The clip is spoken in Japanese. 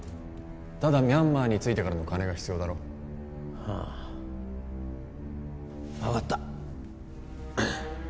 ただミャンマーに着いてからの金が必要だろああ分かった